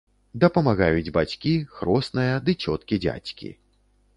Дапамагаюць бацькі, хросная, ды цёткі-дзядзькі.